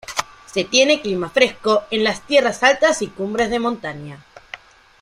Se tiene clima fresco en las tierras altas y cumbres de montañas.